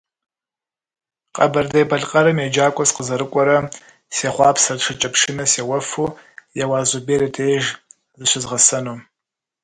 Къэбэрдей-Балъкъэрым еджакӀуэ сыкъызэрыкӀуэрэ сехъуапсэрт шыкӀэпшынэ сеуэфу Еуаз Зубер и деж зыщызгъэсэну.